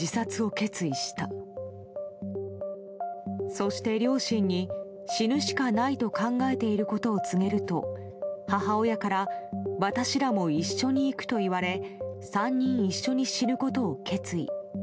そして両親に、死ぬしかないと考えていることを告げると母親から私らも一緒に行くと言われ３人一緒に死ぬことを決意。